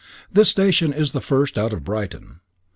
This station is the first out of Brighton.